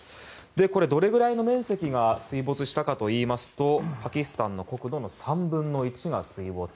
どれぐらいの面積が水没したかといいますとパキスタンの国土の３分の１が水没。